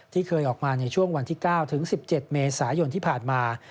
ที่เคยออกมาในช่วงวันที่๙ถึง๑๗เมษายนที่ผ่านมา